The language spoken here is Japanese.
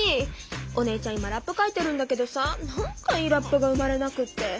お姉ちゃん今ラップ書いてるんだけどさなんかいいラップが生まれなくって。